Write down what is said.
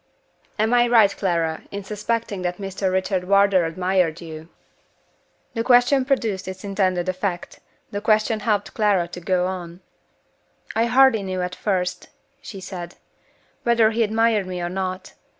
"Am I right, Clara, in suspecting that Mr. Richard Wardour admired you?" The question produced its intended effect. The question helped Clara to go on. "I hardly knew at first," she said, "whether he admired me or not.